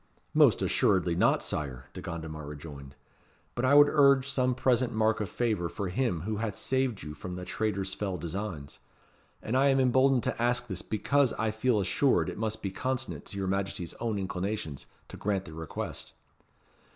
"Most assuredly not, Sire," De Gondomar rejoined. "But I would urge some present mark of favour for him who hath saved you from the traitor's fell designs. And I am emboldened to ask this, because I feel assured it must be consonant to your Majesty's own inclinations to grant the request."